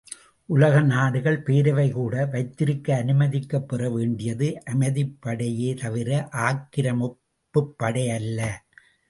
உலக நாடுகள் பேரவை கூட வைத்திருக்க அனுமதிக்கப் பெற வேண்டியது அமைதிப்படையே தவிர, ஆக்கிரமிப்புப்படையல்ல.